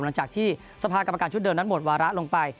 หลังจากที่สภากรรมการชุดเดิมนั้นหมดวาระลงไป